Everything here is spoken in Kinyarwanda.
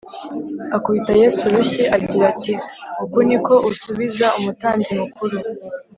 akubita yesu urushyi agira ati, “uku ni ko usubiza umutambyi mukuru?”